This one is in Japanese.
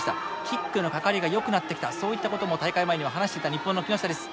キックのかかりがよくなってきたそういったことも大会前には話していた日本の木下です。